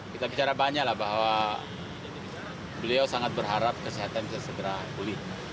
kita bicara banyak lah bahwa beliau sangat berharap kesehatan bisa segera pulih